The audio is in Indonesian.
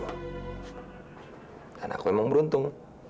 dan aku emang beruntung